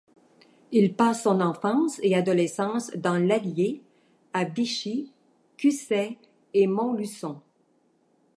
Il passe son enfance et adolescence dans l'Allier, à Vichy, Cusset et Montluçon.